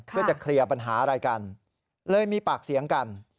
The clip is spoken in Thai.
เพื่อจะเคลียร์ปัญหาอะไรกันเลยมีปากเสียงกัน